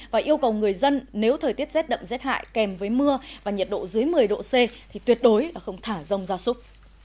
và yêu cầu người dân nếu thời tiết rét đậm rét hại kèm với mưa và nhiệt độ dưới một mươi độ c thì tuyệt đối không thả rông gia súc